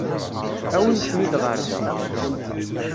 Awimt-ten-id ɣer da.